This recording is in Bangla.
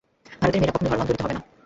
ভারতের মেয়েরা কখনও ধর্মান্তরিত হবে না।